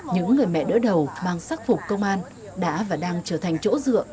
những người mẹ đỡ đầu mang sắc phục công an đã và đang trở thành chỗ dựa